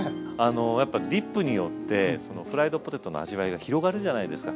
やっぱディップによってフライドポテトの味わいが広がるじゃないですか。